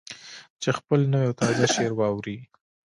چې خپل نوی او تازه شعر واوروي.